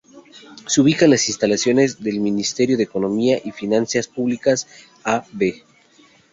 Se ubica en las instalaciones del Ministerio de Economía y Finanzas Públicas, Av.